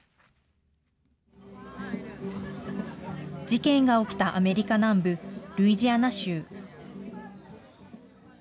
事件が起きたアメリカ南部ルイジアナ州。